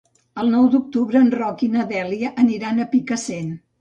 El nou d'octubre en Roc i na Dèlia aniran a Picassent.